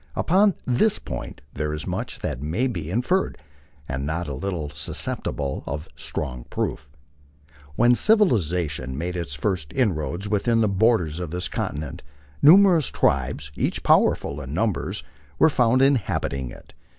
Upon this point there is much that may be inferred, and not a little susceptible of strong proof. When civilization made its first inroads within the borders of this continent, numerous tribes, each powerful in numbers, were found inhabiting it.